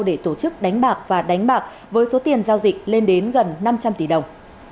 để tổ chức đánh bạc và đánh bạc với số tiền giao dịch lên đến gần năm trăm linh tỷ đồng